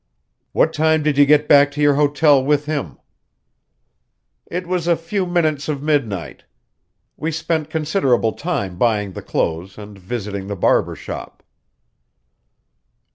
"What time did you get back to your hotel with him?" "It was a few minutes of midnight. We spent considerable time buying the clothes and visiting the barber shop."